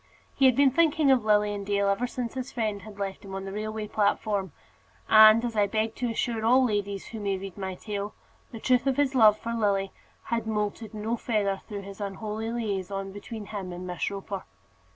He had been thinking of Lilian Dale ever since his friend had left him on the railway platform; and, as I beg to assure all ladies who may read my tale, the truth of his love for Lily had moulted no feather through that unholy liaison between him and Miss Roper.